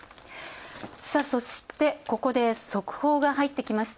そして、ここで速報が入ってきました。